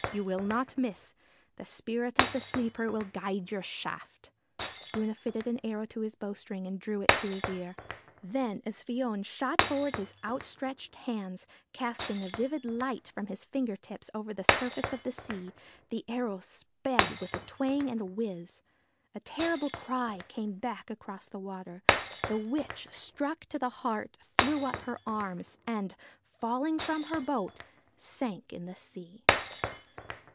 You will not miss : the spirit of the sleeper will guide your shaft.' Grunne fitted an arrow to his bowstring, and drew it to his ear. Then, as Fion shot forward his outstretched hands, casting a vivid light from his finger tips over the surface of the sea, the arrow sped with a twang and a whiz. A terrible cry came back across the water. The witch, struck to the heart, threw up her arms, and, falling from her boat, sank in the sea.